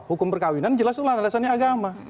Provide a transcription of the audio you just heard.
hukum perkawinan jelas itu landasannya agama